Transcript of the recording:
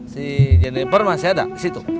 si jennifer masih ada disitu